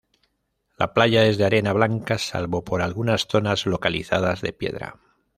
La playa es de arena blanca, salvo por algunas zonas localizadas de piedra.